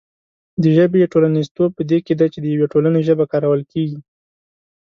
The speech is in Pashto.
د ژبې ټولنیزتوب په دې کې دی چې د یوې ټولنې ژبه کارول کېږي.